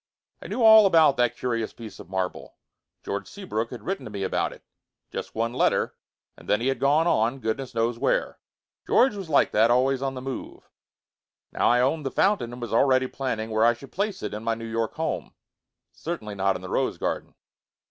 I knew all about that curious piece of marble. George Seabrook had written to me about it. Just one letter, and then he had gone on, goodness knows where. George was like that, always on the move. Now I owned the fountain and was already planning where I should place it in my New York home. Certainly not in the rose garden.